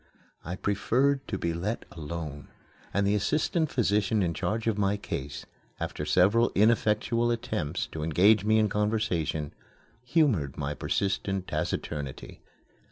I preferred to be let alone, and the assistant physician in charge of my case, after several ineffectual attempts to engage me in conversation, humored my persistent taciturnity.